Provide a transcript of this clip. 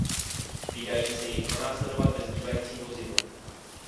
Vydají se jej pronásledovat ve zbývajícím vozidle.